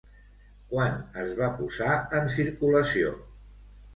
Quan es va posar en circulació?